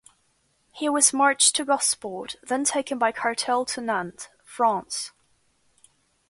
He was marched to Gosport, then taken by cartel to Nantes, France.